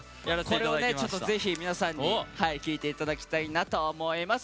ぜひ皆さんに聴いていただきたいなと思います。